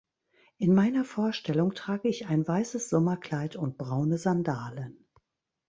In meiner Vorstellung trage ich ein weißes Sommerkleid und braune Sandalen.